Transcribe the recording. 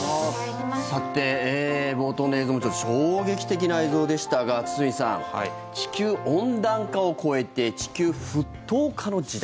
さて、冒頭の映像もちょっと衝撃的な映像でしたが堤さん、地球温暖化を超えて地球沸騰化の時代。